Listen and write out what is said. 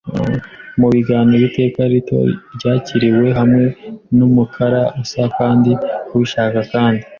mu biganiro. Iteka rito ryakiriwe hamwe numukara usa kandi ubishaka kandi